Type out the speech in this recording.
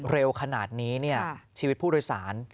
เร็วขนาดนี้ชีวิตผู้โดยสาร